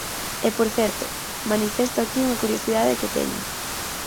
E, por certo, manifesto aquí unha curiosidade que teño.